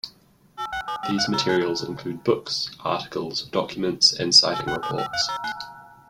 These materials include books, articles, documents, and sighting reports.